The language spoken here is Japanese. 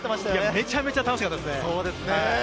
めちゃめちゃ楽しかったです。